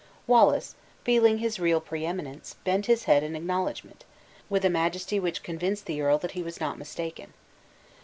Wallace, feeling his real pre eminence, bent his head in acknowledgment, with a majesty which convinced the earl that he was not mistaken.